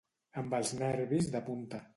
Amb els nervis de punta.